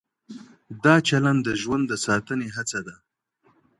دا چلند د ژوند د ساتنې هڅه ده.